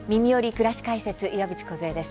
くらし解説」岩渕梢です。